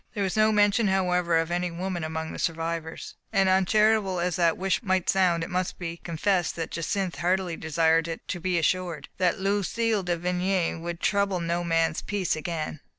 There was no mention, however, of any woman among the survivors: and, uncharitable as the wish might sound, it must be confessed that Jacynth heartily desired to be assured that Lu cille de Vigny would trouble no man's peace again.